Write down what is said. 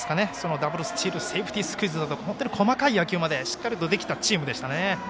ダブルスチールセーフティースクイズなど細かい野球までしっかりとできたチームでした。